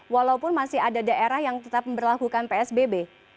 walaupun masih ada daerah yang tetap memperlakukan psbb